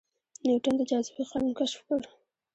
نیوټن د جاذبې قانون کشف کړ